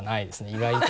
意外と。